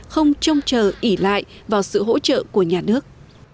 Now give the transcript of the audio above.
không trông chờ ỉ lại vào sự hỗ trợ của nhà nước